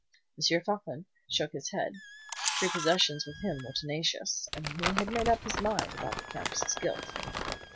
M. Floçon shook his head. Prepossessions with him were tenacious, and he had made up his mind about the Countess's guilt.